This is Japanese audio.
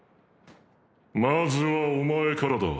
まずはお前からだ。